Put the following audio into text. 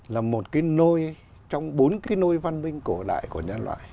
là một cái nôi trong bốn cái nôi văn minh cổ đại của nhân loại